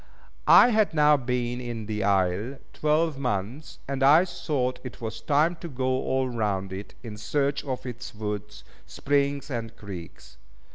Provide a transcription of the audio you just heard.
I had now been in the isle twelve months, and I thought it was time to go all round it, in search of its woods, springs, and creeks.